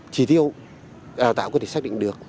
chỉ tiêu tạo có thể xác định được